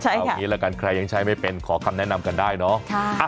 เอางี้ละกันใครยังใช้ไม่เป็นขอคำแนะนำกันได้เนาะ